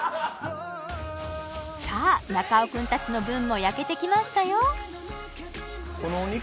さあ中尾くんたちの分も焼けてきましたよ